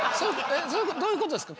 どういうことですか？